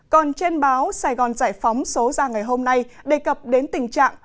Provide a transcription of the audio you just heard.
còn trên báo sài gòn giải phóng số ra ngày hôm nay đề cập đến tình trạng